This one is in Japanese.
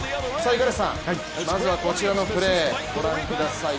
五十嵐さん、まずはこちらのプレー御覧ください。